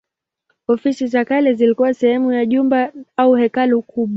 Ofisi za kale zilikuwa sehemu ya jumba au hekalu kubwa.